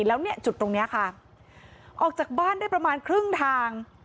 แล้วเนี่ยจุดตรงนี้ค่ะออกจากบ้านได้ประมาณครึ่งทาง